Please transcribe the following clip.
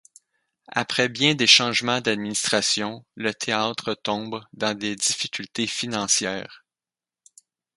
Après bien des changements d'administration, le théâtre tombe dans des difficultés financières.